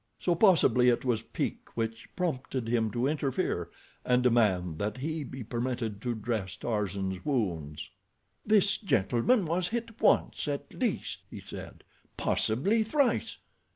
So possibly it was pique which prompted him to interfere, and demand that he be permitted to dress Tarzan's wounds. "This gentleman was hit once at least," he said. "Possibly thrice."